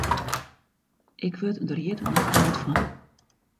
Ik wurd der hjit noch kâld fan.